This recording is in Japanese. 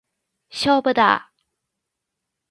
勝負だー！